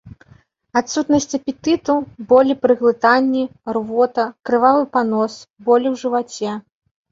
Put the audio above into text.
Адсутнасць апетыту, болі пры глытанні, рвота, крывавы панос, болі ў жываце.